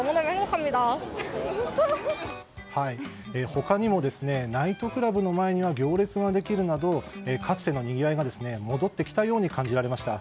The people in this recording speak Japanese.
他にも、ナイトクラブの前には行列ができるなどかつてのにぎわいが戻ってきたように感じられました。